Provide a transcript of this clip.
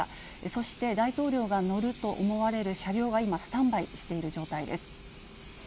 そして、大統領が乗ると思われる車両が今、スタンバイしている状態です。